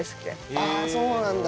ああそうなんだ。